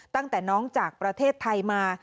ตั้งแต่น้องจากประเทศไทยมา